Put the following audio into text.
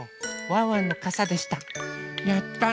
ワンワンのかさでした。